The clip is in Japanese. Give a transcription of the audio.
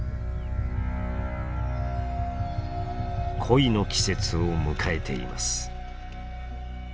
恋の季節を迎えています。